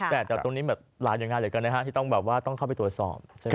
แต่ตรงนี้เร็วที่ต้องเข้าไปตรวจสอบ